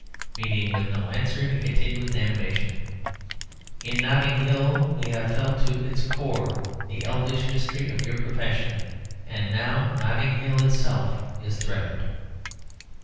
Meeting with no answer, he continued with animation "In Notting Hill we have felt to its core the elfish mystery of your profession. And now Notting Hill itself is threatened."